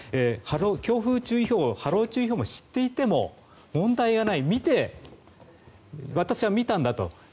強風注意報・波浪注意報を知っていても問題はない私は見たんだと。